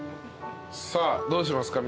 さあどうしますか？